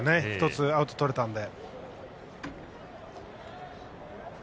１つ、アウトがとれたので。